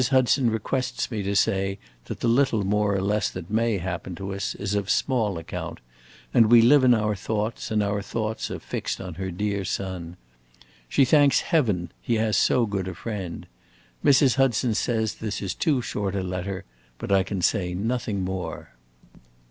Hudson requests me to say that the little more or less that may happen to us is of small account, as we live in our thoughts and our thoughts are fixed on her dear son. She thanks Heaven he has so good a friend. Mrs. Hudson says that this is too short a letter, but I can say nothing more.